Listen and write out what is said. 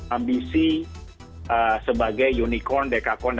ambisi sebagai unicorn dekacorn